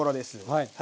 はい。